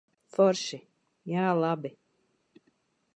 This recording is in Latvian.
Forši. Jā, labi.